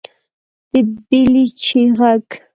_د بېلچې غږ